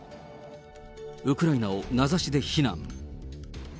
ウクライナを名指しで非難。